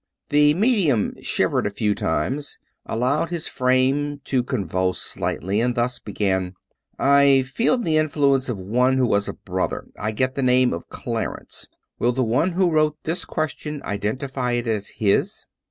The medium shivered a few times, allowed his frame to con vulse slightly, and thus began: " I feel the influence of one who was a brother. I get the name of Clarence. Will the one who wrote this ques tion identify it as his